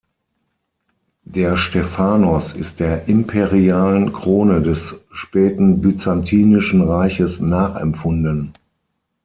Der Stephanos ist der imperialen Krone des späten Byzantinischen Reiches nachempfunden.